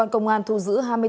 công an thu giữ hai mươi bốn h